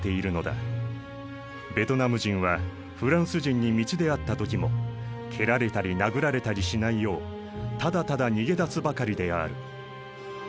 ベトナム人はフランス人に道で会った時も蹴られたり殴られたりしないようただただ逃げ出すばかりである」。